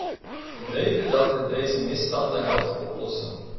We weten dat het deze misstanden helpt oplossen.